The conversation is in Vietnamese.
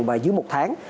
và dưới một tháng